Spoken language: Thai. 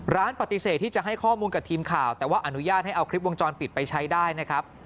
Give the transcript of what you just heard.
ปฏิเสธที่จะให้ข้อมูลกับทีมข่าวแต่ว่าอนุญาตให้เอาคลิปวงจรปิดไปใช้ได้นะครับ